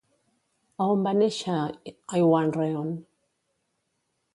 A on va néixer Iwan Rheon?